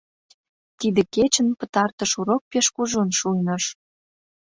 Тиде кечын пытартыш урок пеш кужун шуйныш.